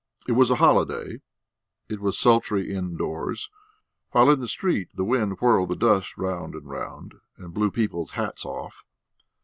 It was a holiday. It was sultry indoors, while in the street the wind whirled the dust round and round, and blew people's hats off.